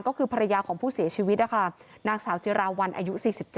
ก็คือภรรยาของผู้เสียชีวิตนะคะนางสาวจิราวันอายุ๔๗